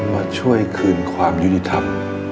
มาช่วยคืนความยุติธรรม